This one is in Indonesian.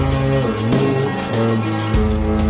itu apa ragu ragu dollar